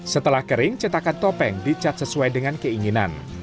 setelah kering cetakan topeng dicat sesuai dengan keinginan